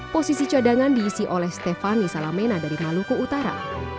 posisi cadangan diisi oleh stefani salamena dari maluku utara